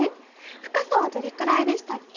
深さはどれくらいでしたっけ？